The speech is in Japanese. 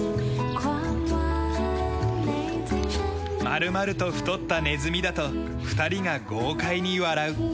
丸々と太ったネズミだと２人が豪快に笑う。